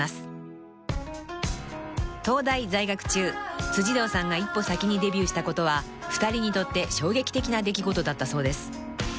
［東大在学中辻堂さんが一歩先にデビューしたことは２人にとって衝撃的な出来事だったそうです］